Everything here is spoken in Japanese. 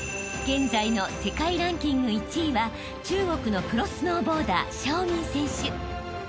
［現在の世界ランキング１位は中国のプロスノーボーダーシャオミン選手］